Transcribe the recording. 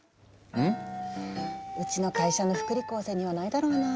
うちの会社の福利厚生にはないだろうな。